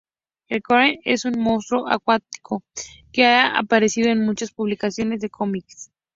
El Kraken es un monstruo acuático que ha aparecido en muchas publicaciones de cómics.